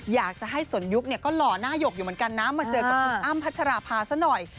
อยากจะให้สนยุคเนี่ยก็หล่อหน้าหยกอยู่เหมือนกันนะมาเจอกับคุณอ้ำพัชราภาซะหน่อย